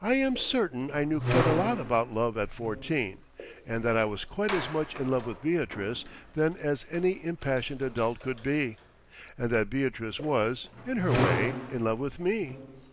I am certain I knew quite a lot about love at fourteen and that I was quite as much in love with Beatrice then as any impassioned adult could be, and that Beatrice was, in her way, in love with me.